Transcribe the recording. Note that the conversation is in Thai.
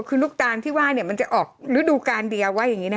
คือลูกตาลที่ว่ามันจะออกฤดูการเดียวไว้อย่างนี้นะ